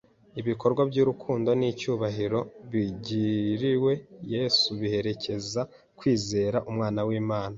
Ibikorwa by'urukundo n'icyubahiro bigiriwe Yesu biherekeza kwizera Umwana w'Imana